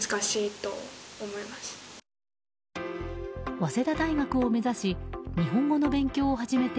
早稲田大学を目指し日本語の勉強を始めて